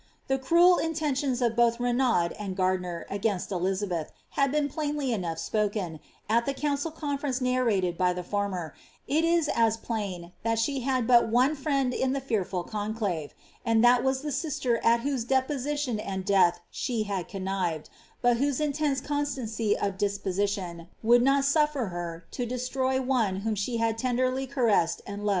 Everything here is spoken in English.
The cruel intentions of both Renaud and Gardiner against Elizabeth had been plainly enough spoken, at the council (Conference narrated by the former ; it is as plain that she had but one friend in the fearful conclave, and that was the sister at whose deposition and death she had connived, but whose intense cod stancy of disposition would not suffer her to destroy one whom she had tenderly caressed and loved in infancy.